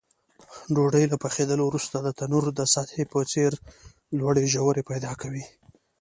ډوډۍ له پخېدلو وروسته د تنور د سطحې په څېر لوړې ژورې پیدا کوي.